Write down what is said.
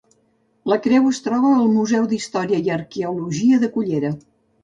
La creu es troba al Museu d'Història i Arqueologia de Cullera.